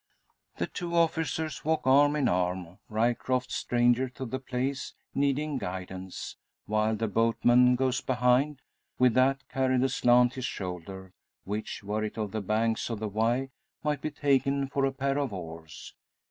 The two officers walk arm in arm, Ryecroft, stranger to the place, needing guidance; while the boatman goes behind, with that carried aslant his shoulder, which, were it on the banks of the Wye, might be taken for a pair of oars.